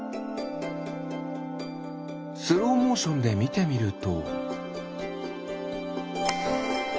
スローモーションでみてみると。